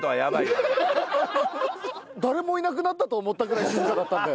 誰もいなくなったと思ったぐらい静かだったんで。